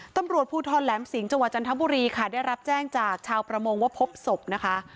ตำรวจภูทรแหลมสิงห์จังหวัดจันทบุรีค่ะได้รับแจ้งจากชาวประมงว่าพบศพนะคะ